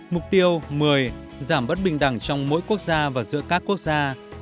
mục tiêu một mươi giảm bất bình đẳng trong mỗi quốc gia và giữa các quốc gia